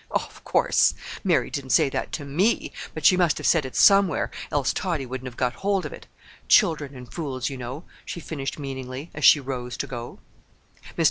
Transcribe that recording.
Oh, of course, Mary didn't say that to me, but she must have said it somewhere, else Tottie wouldn't have got hold of it. 'Children and fools,' you know," she finished meaningly, as she rose to go.